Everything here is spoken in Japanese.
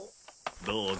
どうぞ。